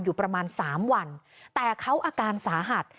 อยู่ประมาณสามวันแต่เขาอาการสาหัส